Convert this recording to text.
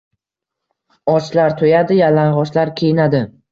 Ochlar to’yadi, yalang’ochlar kiyinadi.